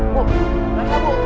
bu raksa bu